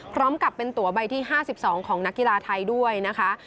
พร้อมกับเป็นตัวใบที่๕๒ของนักกีฬาไทยด้วยนะคะ